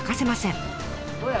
どうや？